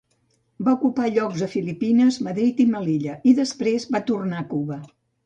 Va ocupar llocs a Filipines, Madrid i Melilla, i després va tornar a Cuba.